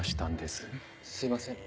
すいません。